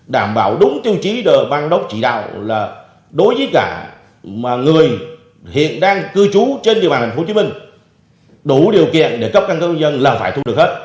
đảm bảo đúng tiêu chí được bang đốc chỉ đạo là đối với cả mà người hiện đang cư trú trên địa bàn tp hcm đủ điều kiện để cấp căn cứ công dân là phải thu được hết